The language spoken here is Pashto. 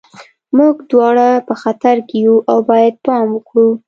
موږ دواړه په خطر کې یو او باید پام وکړو